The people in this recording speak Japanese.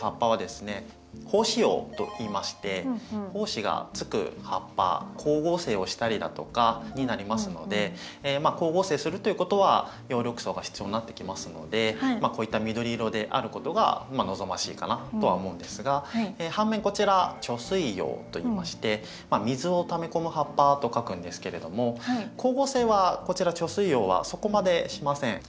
胞子葉といいまして胞子がつく葉っぱ光合成をしたりだとかになりますのでまあ光合成するということは葉緑素が必要になってきますのでこういった緑色であることが望ましいかなとは思うんですが反面こちら貯水葉といいまして「水を貯め込む葉っぱ」と書くんですけれども光合成はこちら貯水葉はそこまでしません。